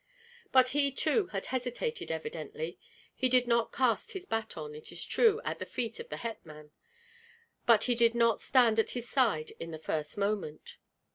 But he too had hesitated evidently. He did not cast his baton, it is true, at the feet of the hetman, but he did not stand at his side in the first moment.